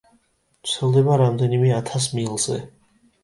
ვრცელდება რამდენიმე ათას მილზე.